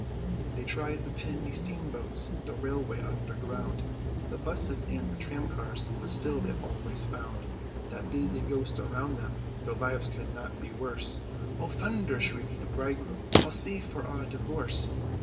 They tried the penny steam boats, the railway underground, The busses and the tramcars, but still they always found That busy ghost around them, their lives could not be worse. "O thunder!" shrieked the bridegroom, "I'll seek for a divorce."